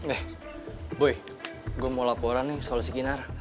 eh boy gue mau laporan nih soal si kinar